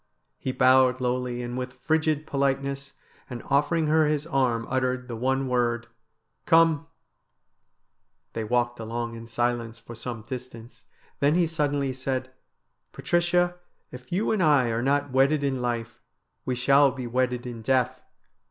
He bowed lowly and with frigid politeness, and offering her his arm uttered the one word :' Come !' They walked along in silence for some distance. Then he suddenly said :' Patricia, if you and I are not wedded in life, we shall be wedded in death.